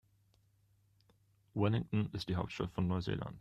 Wellington ist die Hauptstadt von Neuseeland.